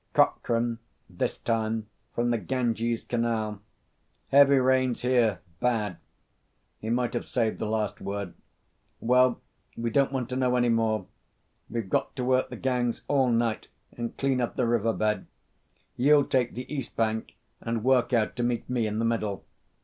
"Cockran, this time, from the Ganges Canal: 'Heavy rains here. Bad.' He might have saved the last word. Well, we don't want to know any more. We've got to work the gangs all night and clean up the riverbed. You'll take the east bank and work out to meet me in the middle.